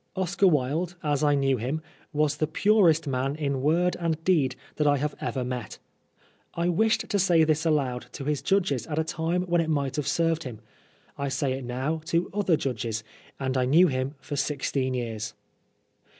Oscar Wilde, as I knew him, was the purest man in word and deed that I have ever met I wished to say this aloud to his judges at a time when it might have served him. I say it now to other judges. And I knew him for sixteen years.